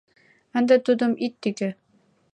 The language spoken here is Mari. Ынде тудым ит тӱкӧ.